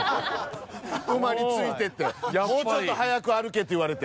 馬についてって「もうちょっと速く歩け」って言われて。